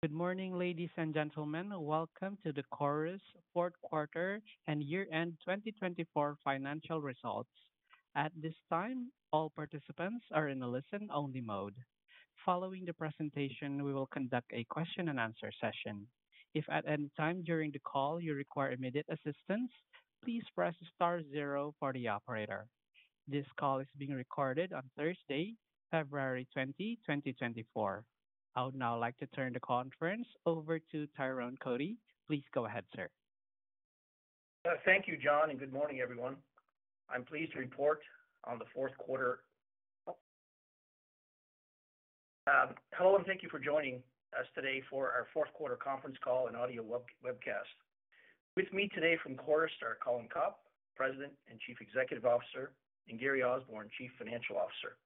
Good morning, ladies and gentlemen. Welcome to the Chorus fourth quarter and year-end 2024 financial results. At this time, all participants are in a listen-only mode. Following the presentation, we will conduct a question-and-answer session. If at any time during the call you require immediate assistance, please press star zero for the operator. This call is being recorded on Thursday, February 20, 2024. I would now like to turn the conference over to Tyrone Cotie. Please go ahead, sir. Thank you, John, and good morning, everyone. I'm pleased to report on the fourth quarter. Hello and thank you for joining us today for our fourth quarter conference call and audio webcast. With me today from Chorus are Colin Copp, President and Chief Executive Officer, and Gary Osborne, Chief Financial Officer.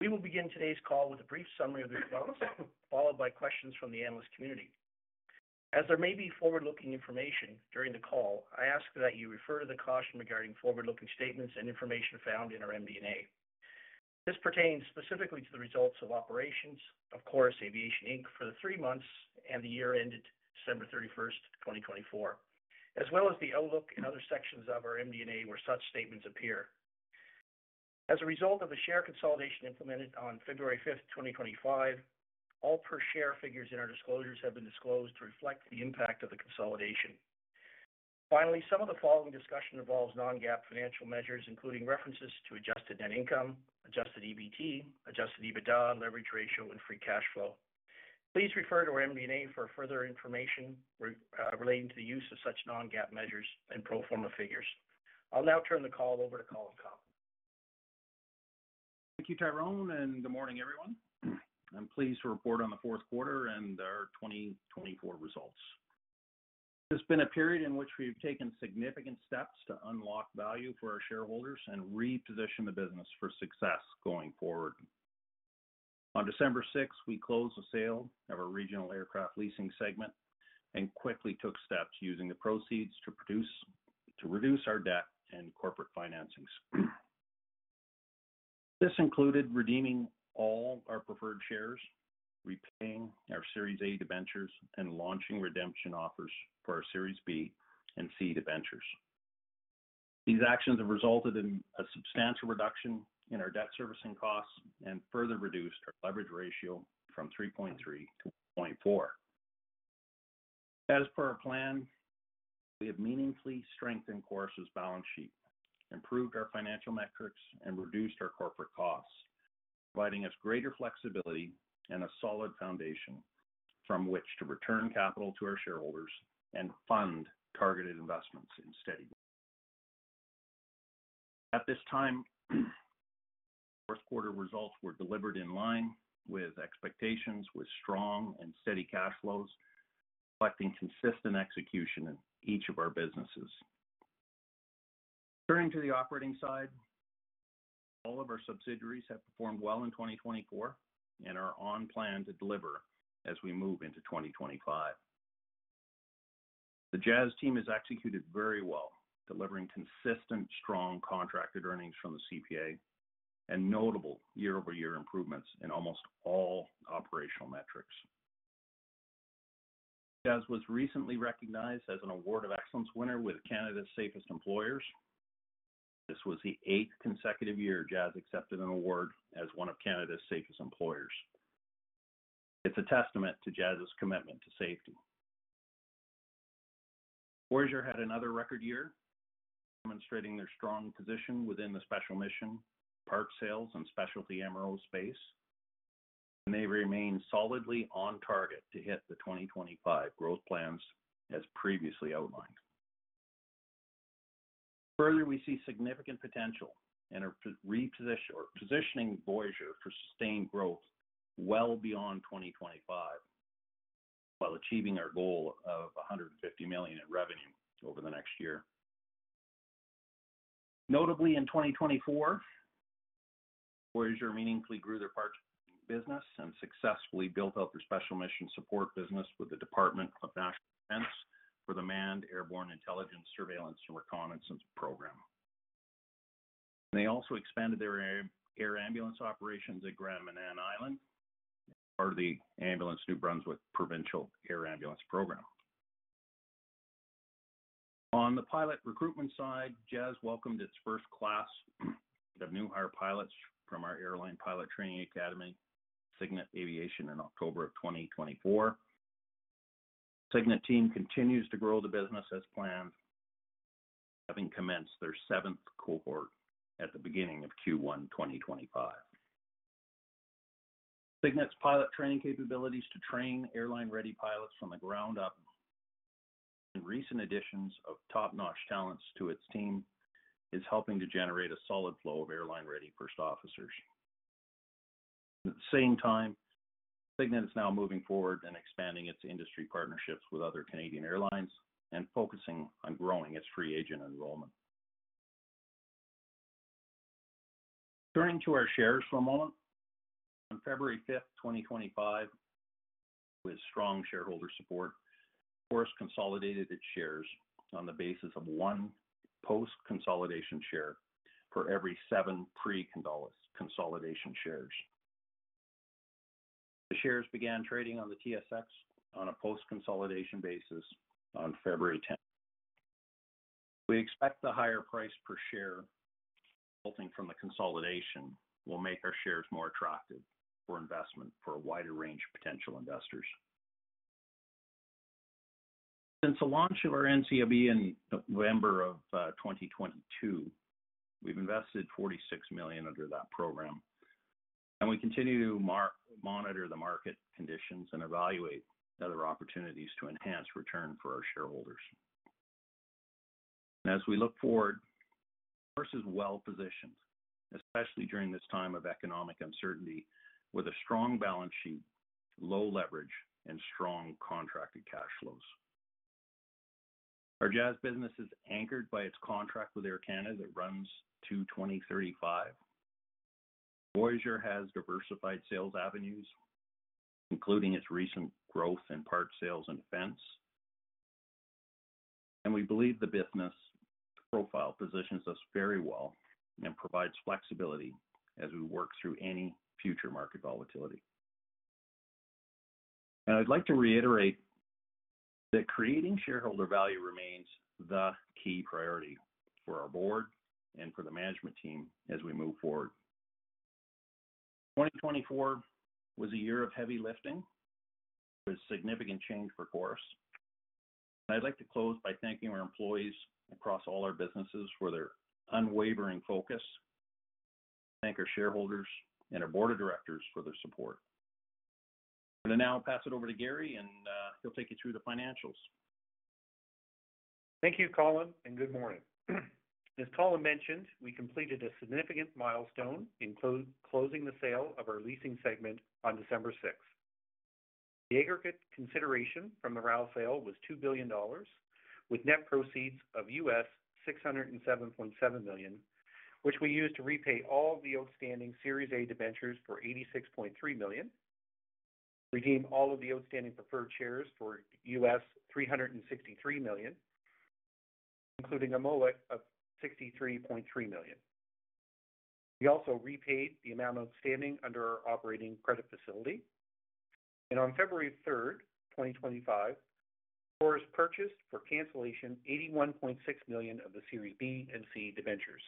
We will begin today's call with a brief summary of the results, followed by questions from the analyst community. As there may be forward-looking information during the call, I ask that you refer to the caution regarding forward-looking statements and information found in our MD&A. This pertains specifically to the results of operations of Chorus Aviation Inc. for the three months and the year ended December 31st, 2024, as well as the outlook and other sections of our MD&A where such statements appear. As a result of the share consolidation implemented on February 5th, 2025, all per-share figures in our disclosures have been adjusted to reflect the impact of the consolidation. Finally, some of the following discussion involves non-GAAP financial measures, including references to adjusted net income, adjusted EBT, adjusted EBITDA, leverage ratio, and free cash flow. Please refer to our MD&A for further information relating to the use of such non-GAAP measures and pro forma figures. I'll now turn the call over to Colin Copp. Thank you, Tyrone, and good morning, everyone. I'm pleased to report on the fourth quarter and our 2024 results. This has been a period in which we have taken significant steps to unlock value for our shareholders and reposition the business for success going forward. On December 6th, we closed the sale of our regional aircraft leasing segment and quickly took steps using the proceeds to reduce our debt and corporate financings. This included redeeming all our preferred shares, repaying our Series A debentures, and launching redemption offers for our Series B and C debentures. These actions have resulted in a substantial reduction in our debt servicing costs and further reduced our leverage ratio from 3.3 to 1.4. As per our plan, we have meaningfully strengthened Chorus's balance sheet, improved our financial metrics, and reduced our corporate costs, providing us greater flexibility and a solid foundation from which to return capital to our shareholders and fund targeted investments in steady growth. At this time, the fourth quarter results were delivered in line with expectations, with strong and steady cash flows reflecting consistent execution in each of our businesses. Turning to the operating side, all of our subsidiaries have performed well in 2024 and are on plan to deliver as we move into 2025. The Jazz team has executed very well, delivering consistent, strong contracted earnings from the CPA and notable year-over-year improvements in almost all operational metrics. Jazz was recently recognized as an award of excellence winner with Canada's Safest Employers. This was the eighth consecutive year Jazz accepted an award as one of Canada's Safest Employers. It's a testament to Jazz's commitment to safety. Voyager had another record year, demonstrating their strong position within the special mission, the parts sales, and specialty MRO space, and they remain solidly on target to hit the 2025 growth plans as previously outlined. Further, we see significant potential in repositioning Voyager for sustained growth well beyond 2025 while achieving our goal of 150 million in revenue over the next year. Notably, in 2024, Voyager meaningfully grew their parts business and successfully built out their special mission support business with the Department of National Defence for the Manned Airborne Intelligence Surveillance and Reconnaissance Program. They also expanded their air ambulance operations at Grand Manan Island, part of the Ambulance New Brunswick Provincial Air Ambulance Program. On the pilot recruitment side, Jazz welcomed its first class of new-hire pilots from our airline pilot training academy, Cygnet Aviation, in October of 2024. Cygnet team continues to grow the business as planned, having commenced their seventh cohort at the beginning of Q1 2025. Cygnet's pilot training capabilities to train airline-ready pilots from the ground up and recent additions of top-notch talents to its team is helping to generate a solid flow of airline-ready first officers. At the same time, Cygnet is now moving forward and expanding its industry partnerships with other Canadian airlines and focusing on growing its free agent enrollment. Turning to our shares for a moment, on February 5th, 2025, with strong shareholder support, Chorus consolidated its shares on the basis of one post-consolidation share for every seven pre-consolidation shares. The shares began trading on the TSX on a post-consolidation basis on February 10th. We expect the higher price per share resulting from the consolidation will make our shares more attractive for investment for a wider range of potential investors. Since the launch of our NCIB in November of 2022, we've invested 46 million under that program, and we continue to monitor the market conditions and evaluate other opportunities to enhance return for our shareholders. As we look forward, Chorus is well positioned, especially during this time of economic uncertainty, with a strong balance sheet, low leverage, and strong contracted cash flows. Our Jazz business is anchored by its contract with Air Canada that runs to 2035. Voyager has diversified sales avenues, including its recent growth in part sales and defense, and we believe the business profile positions us very well and provides flexibility as we work through any future market volatility, and I'd like to reiterate that creating shareholder value remains the key priority for our board and for the management team as we move forward. 2024 was a year of heavy lifting with significant change for Chorus, and I'd like to close by thanking our employees across all our businesses for their unwavering focus. Thank our shareholders and our board of directors for their support. I'm going to now pass it over to Gary, and he'll take you through the financials. Thank you, Colin, and good morning. As Colin mentioned, we completed a significant milestone in closing the sale of our leasing segment on December 6th. The aggregate consideration from the RAL sale was 2 billion dollars, with net proceeds of $607.7 million, which we used to repay all the outstanding Series A debentures for 86.3 million, redeem all of the outstanding preferred shares for $363 million, including a MWA of $63.3 million. We also repaid the amount outstanding under our operating credit facility. On February 3rd, 2025, Chorus purchased for cancellation 81.6 million of the Series B and C debentures.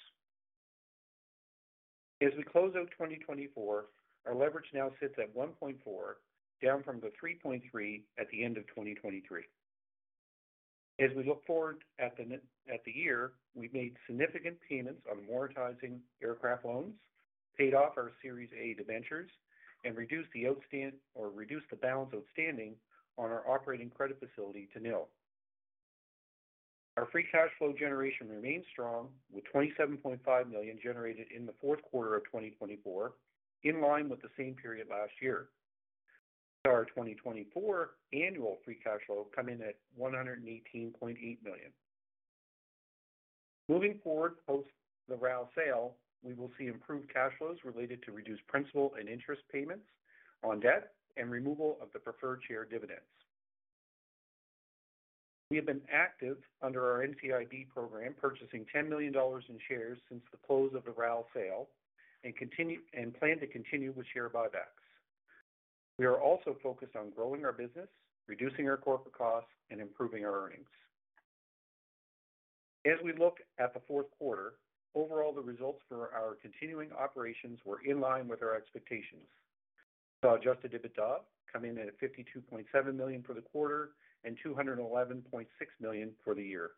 As we close out 2024, our leverage now sits at 1.4, down from the 3.3 at the end of 2023. As we look forward at the year, we've made significant payments on amortizing aircraft loans, paid off our Series A debentures, and reduced the balance outstanding on our operating credit facility to nil. Our free cash flow generation remains strong, with 27.5 million generated in the fourth quarter of 2024, in line with the same period last year. With our 2024 annual free cash flow coming in at 118.8 million. Moving forward post the RAL sale, we will see improved cash flows related to reduced principal and interest payments on debt and removal of the preferred share dividends. We have been active under our NCIB program, purchasing 10 million dollars in shares since the close of the RAL sale and plan to continue with share buybacks. We are also focused on growing our business, reducing our corporate costs, and improving our earnings. As we look at the fourth quarter, overall, the results for our continuing operations were in line with our expectations. Adjusted EBITDA coming in at 52.7 million for the quarter and 211.6 million for the year.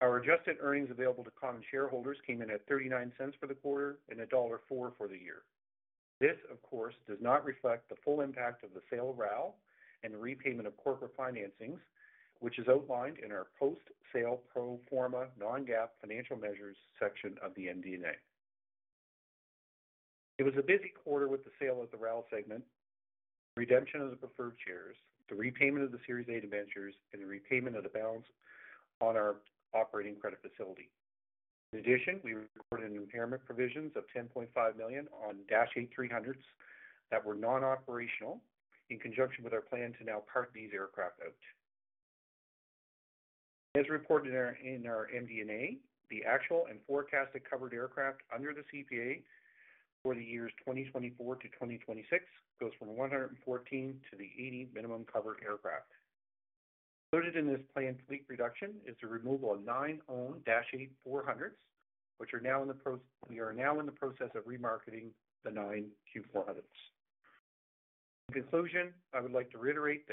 Our adjusted earnings available to common shareholders came in at 0.39 for the quarter and dollar 1.04 for the year. This, of course, does not reflect the full impact of the sale of RAL and repayment of corporate financings, which is outlined in our post-sale pro forma non-GAAP financial measures section of the MD&A. It was a busy quarter with the sale of the RAL segment, redemption of the preferred shares, the repayment of the Series A debentures, and the repayment of the balance on our operating credit facility. In addition, we recorded an impairment provision of 10.5 million on Dash 8-300s that were non-operational in conjunction with our plan to now park these aircraft out. As reported in our MD&A, the actual and forecasted covered aircraft under the CPA for the years 2024 to 2026 goes from 114 to the 80 minimum covered aircraft. Included in this planned fleet reduction is the removal of nine owned Dash 8-400s, which are now in the process of remarketing the nine Q400s. In conclusion, I would like to reiterate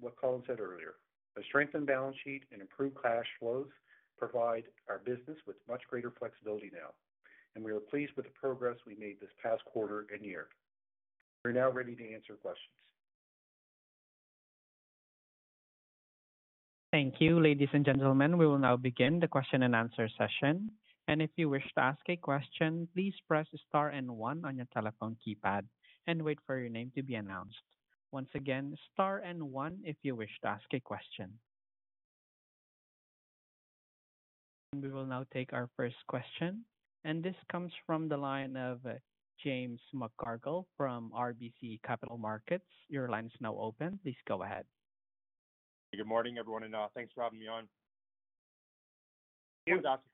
what Colin said earlier. A strengthened balance sheet and improved cash flows provide our business with much greater flexibility now, and we are pleased with the progress we made this past quarter and year. We're now ready to answer questions. Thank you, ladies and gentlemen. We will now begin the question and answer session. If you wish to ask a question, please press Star and 1 on your telephone keypad and wait for your name to be announced. Once again, Star and 1 if you wish to ask a question. We will now take our first question. This comes from the line of James McGarragle from RBC Capital Markets. Your line is now open. Please go ahead. Good morning, everyone, and thanks for having me on. I was asking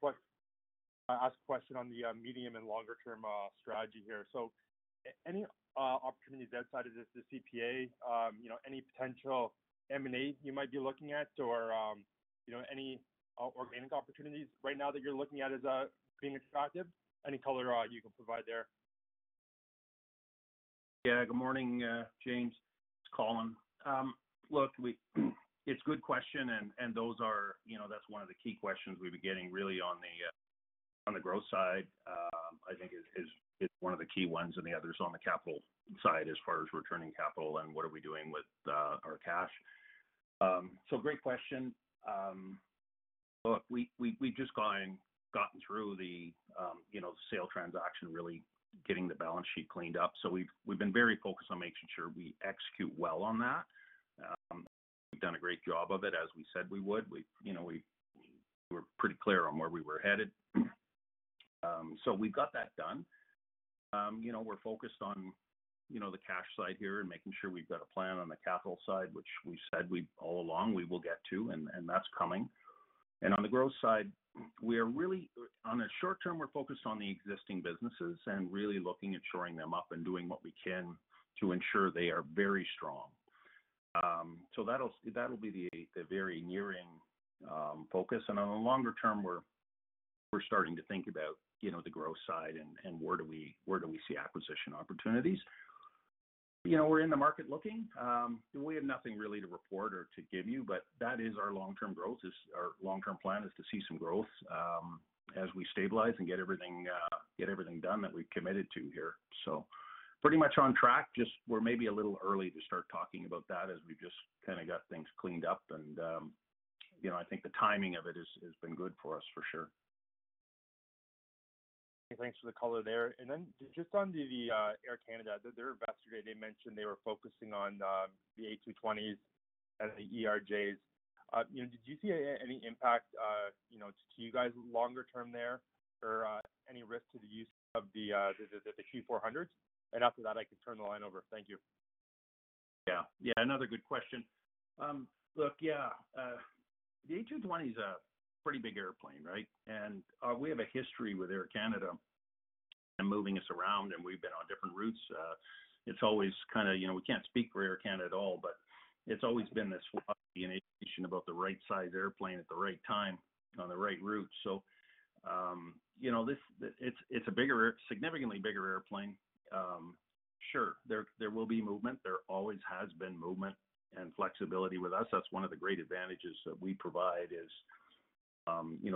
a question on the medium and longer-term strategy here. So any opportunities outside of the CPA, any potential M&A you might be looking at, or any organic opportunities right now that you're looking at as being attractive? Any color you can provide there. Yeah, good morning, James. It's Colin. Look, it's a good question, and that's one of the key questions we've been getting really on the growth side, I think, is one of the key ones, and the other is on the capital side as far as returning capital and what are we doing with our cash. So great question. Look, we've just gotten through the sale transaction, really getting the balance sheet cleaned up. So we've been very focused on making sure we execute well on that. We've done a great job of it, as we said we would. We were pretty clear on where we were headed. So we've got that done. We're focused on the cash side here and making sure we've got a plan on the capital side, which we've said all along we will get to, and that's coming. On the growth side, we are really, on the short term, we're focused on the existing businesses and really looking at shoring them up and doing what we can to ensure they are very strong. So that'll be the very near-term focus. On the longer term, we're starting to think about the growth side and where do we see acquisition opportunities. We're in the market looking. We have nothing really to report or to give you, but that is our long-term growth. Our long-term plan is to see some growth as we stabilize and get everything done that we've committed to here. So pretty much on track, just we're maybe a little early to start talking about that as we've just kind of got things cleaned up. I think the timing of it has been good for us, for sure. Thank you. Thanks for the color there. And then just on the Air Canada, their investor day, they mentioned they were focusing on the A220s and the ERJs. Did you see any impact to you guys longer term there or any risk to the use of the Q400s? And after that, I can turn the line over. Thank you. Yeah. Yeah. Another good question. Look, yeah. The A220 is a pretty big airplane, right? And we have a history with Air Canada and moving us around, and we've been on different routes. It's always kind of we can't speak for Air Canada at all, but it's always been this ideation about the right size airplane at the right time on the right route. So it's a significantly bigger airplane. Sure, there will be movement. There always has been movement and flexibility with us. That's one of the great advantages that we provide is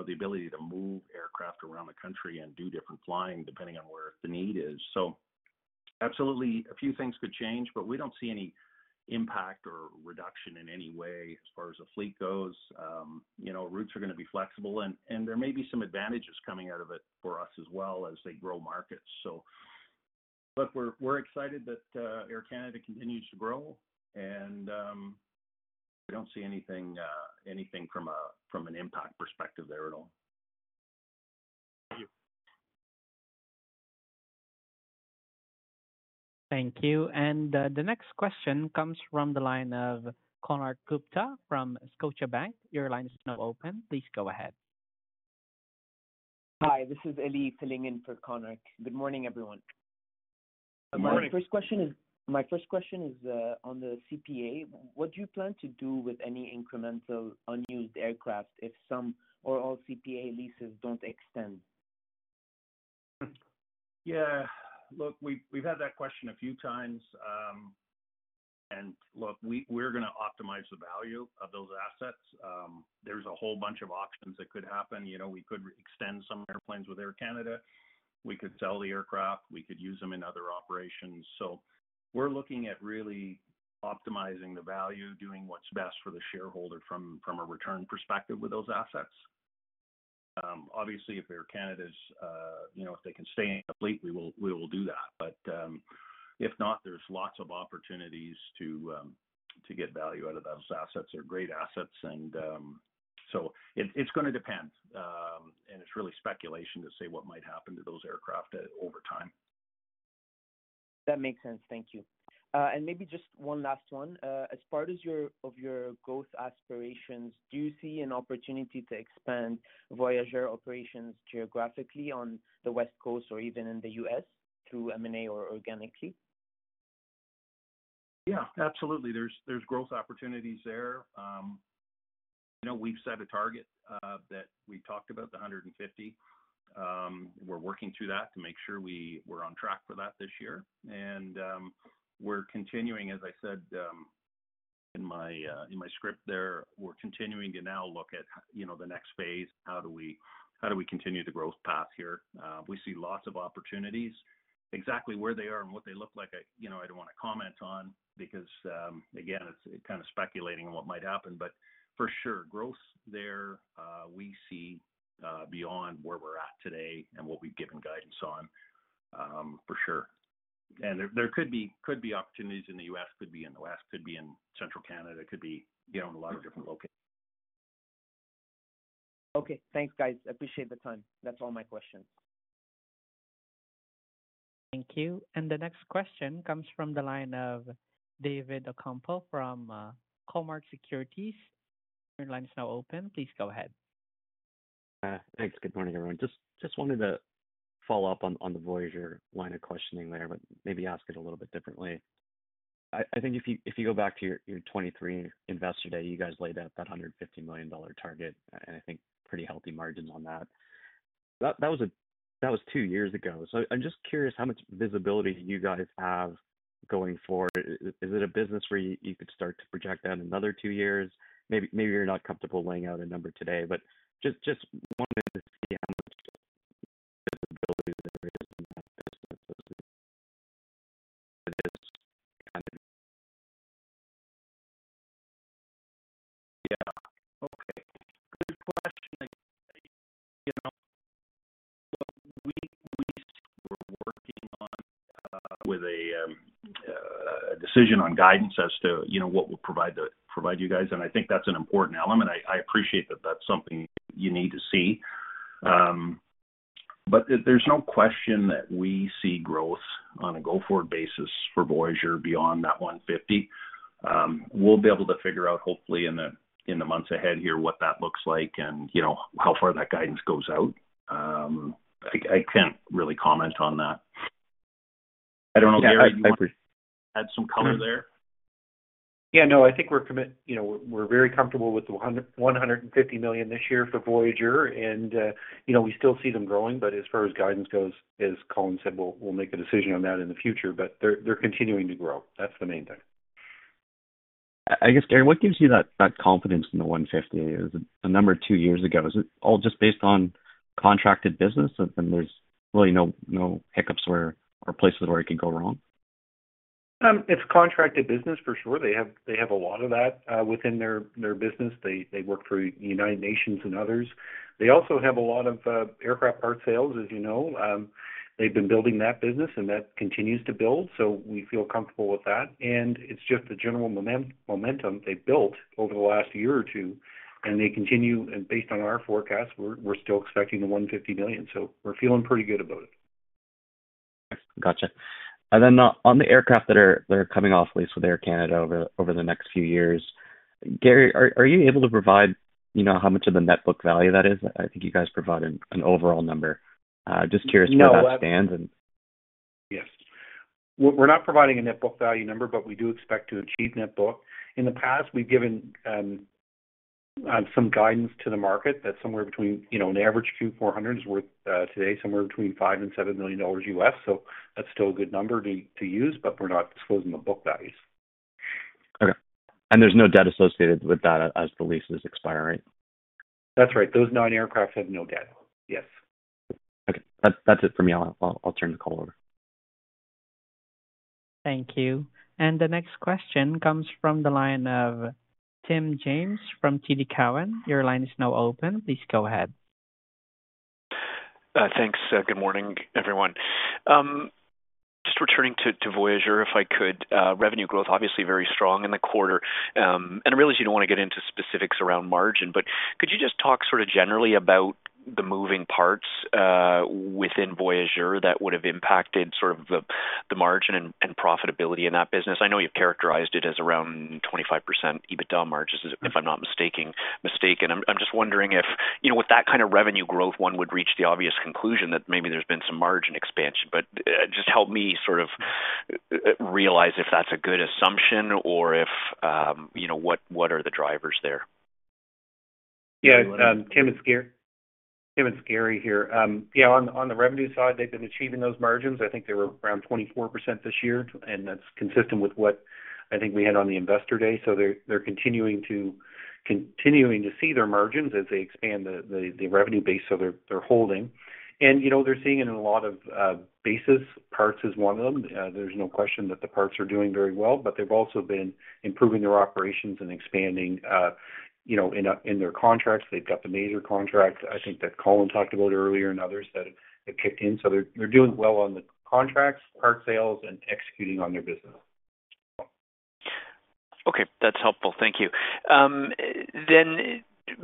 the ability to move aircraft around the country and do different flying depending on where the need is. So absolutely, a few things could change, but we don't see any impact or reduction in any way as far as the fleet goes. Routes are going to be flexible, and there may be some advantages coming out of it for us as well as they grow markets. So look, we're excited that Air Canada continues to grow, and I don't see anything from an impact perspective there at all. Thank you. Thank you. The next question comes from the line of Konark Gupta from Scotiabank. Your line is now open. Please go ahead. Hi, this is Ellie Fellingham for Konark. Good morning, everyone. Good morning. My first question is on the CPA. What do you plan to do with any incremental unused aircraft if some or all CPA leases don't extend? Yeah. Look, we've had that question a few times, and look, we're going to optimize the value of those assets. There's a whole bunch of options that could happen. We could extend some airplanes with Air Canada. We could sell the aircraft. We could use them in other operations, so we're looking at really optimizing the value, doing what's best for the shareholder from a return perspective with those assets. Obviously, if Air Canada is, if they can stay in the fleet, we will do that, but if not, there's lots of opportunities to get value out of those assets. They're great assets, and so it's going to depend, and it's really speculation to say what might happen to those aircraft over time. That makes sense. Thank you. And maybe just one last one. As far as your growth aspirations, do you see an opportunity to expand Voyager operations geographically on the West Coast or even in the U.S. through M&A or organically? Yeah, absolutely. There's growth opportunities there. We've set a target that we talked about, the 150. We're working through that to make sure we're on track for that this year, and we're continuing, as I said in my script there, we're continuing to now look at the next phase. How do we continue the growth path here? We see lots of opportunities. Exactly where they are and what they look like, I don't want to comment on because, again, it's kind of speculating on what might happen, but for sure, growth there, we see beyond where we're at today and what we've given guidance on, for sure, and there could be opportunities in the U.S., could be in the West, could be in Central Canada, could be in a lot of different locations. Okay. Thanks, guys. Appreciate the time. That's all my questions. Thank you. The next question comes from the line of David Ocampo from Cormark Securities. Your line is now open. Please go ahead. Thanks. Good morning, everyone. Just wanted to follow up on the Voyager line of questioning there, but maybe ask it a little bit differently. I think if you go back to your 2023 investor day, you guys laid out that 150 million dollar target, and I think pretty healthy margins on that. That was two years ago. So I'm just curious how much visibility you guys have going forward. Is it a business where you could start to project that in another two years? Maybe you're not comfortable laying out a number today, but just wanted to see how much visibility there is in that business as it is kind of. Yeah. Okay. Good question. Look, we're working on. With a decision on guidance as to what we'll provide you guys. And I think that's an important element. I appreciate that that's something you need to see. But there's no question that we see growth on a go-forward basis for Voyager beyond that 150. We'll be able to figure out, hopefully, in the months ahead here what that looks like and how far that guidance goes out. I can't really comment on that. I don't know. Yeah. I appreciate it. Gary had some color there. Yeah, no, I think we're very comfortable with the 150 million this year for Voyager, and we still see them growing, but as far as guidance goes, as Colin said, we'll make a decision on that in the future, but they're continuing to grow. That's the main thing. I guess, Gary, what gives you that confidence in the 150, a number two years ago, is it all just based on contracted business? And there's really no hiccups or places where it could go wrong? It's contracted business, for sure. They have a lot of that within their business. They work for the United Nations and others. They also have a lot of aircraft part sales, as you know. They've been building that business, and that continues to build. So we feel comfortable with that. And it's just the general momentum they've built over the last year or two. And they continue, and based on our forecast, we're still expecting 150 million. So we're feeling pretty good about it. Gotcha. And then on the aircraft that are coming off lease with Air Canada over the next few years, Gary, are you able to provide how much of a net book value that is? I think you guys provide an overall number. Just curious where that stands and. Yes. We're not providing a net book value number, but we do expect to achieve net book. In the past, we've given some guidance to the market that somewhere between an average Q400 is worth today somewhere between $5-$7 million USD. So that's still a good number to use, but we're not disclosing the book values. Okay. And there's no debt associated with that as the lease is expiring, right? That's right. Those nine aircraft have no debt. Yes. Okay. That's it for me. I'll turn the call over. Thank you. And the next question comes from the line of Tim James from TD Cowen. Your line is now open. Please go ahead. Thanks. Good morning, everyone. Just returning to Voyager, if I could, revenue growth, obviously very strong in the quarter, and I realize you don't want to get into specifics around margin, but could you just talk sort of generally about the moving parts within Voyager that would have impacted sort of the margin and profitability in that business? I know you've characterized it as around 25% EBITDA margins, if I'm not mistaken. I'm just wondering if with that kind of revenue growth, one would reach the obvious conclusion that maybe there's been some margin expansion, but just help me sort of realize if that's a good assumption or what are the drivers there. Yeah. Tim and Scotia. Tim and Scotia here. Yeah. On the revenue side, they've been achieving those margins. I think they were around 24% this year, and that's consistent with what I think we had on the investor day. So they're continuing to see their margins as they expand the revenue base they're holding. And they're seeing it in a lot of bases. Parts is one of them. There's no question that the parts are doing very well, but they've also been improving their operations and expanding in their contracts. They've got the major contract. I think that Colin talked about earlier and others that have kicked in. So they're doing well on the contracts, part sales, and executing on their business. Okay. That's helpful. Thank you. Then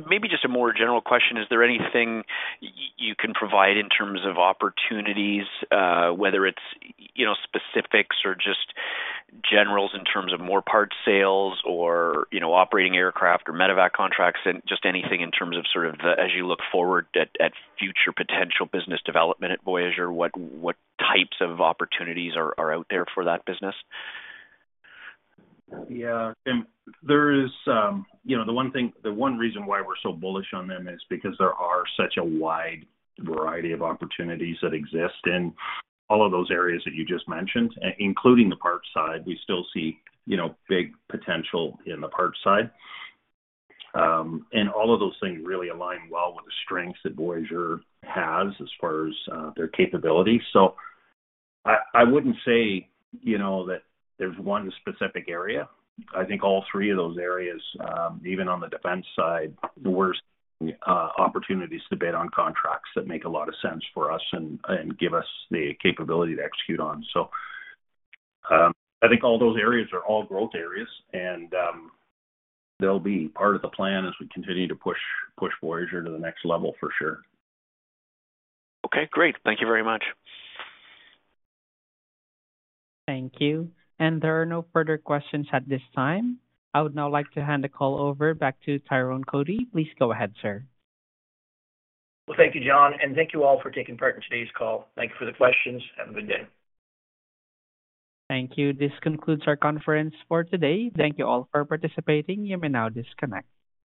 maybe just a more general question. Is there anything you can provide in terms of opportunities, whether it's specifics or just general in terms of more part sales or operating aircraft or medevac contracts, just anything in terms of sort of as you look forward at future potential business development at Voyager, what types of opportunities are out there for that business? Yeah. And there is the one reason why we're so bullish on them is because there are such a wide variety of opportunities that exist in all of those areas that you just mentioned, including the parts side. We still see big potential in the parts side. And all of those things really align well with the strengths that Voyager has as far as their capability. So I wouldn't say that there's one specific area. I think all three of those areas, even on the defense side, the vast opportunities to bid on contracts that make a lot of sense for us and give us the capability to execute on. So I think all those areas are all growth areas, and they'll be part of the plan as we continue to push Voyager to the next level, for sure. Okay. Great. Thank you very much. Thank you, and there are no further questions at this time. I would now like to hand the call over back to Tyrone Cotie. Please go ahead, sir. Thank you, John. Thank you all for taking part in today's call. Thank you for the questions. Have a good day. Thank you. This concludes our conference for today. Thank you all for participating. You may now disconnect.